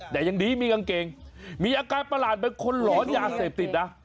แต่ยังดีมีกางเกงมีอาการประหลาดเหมือนคนหลอนยาเสพติดนะ